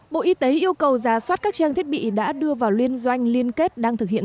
bộ y tế yêu cầu giả soát các trang thiết bị đã đưa vào liên doanh liên kết đang thực hiện